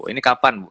ini kapan bu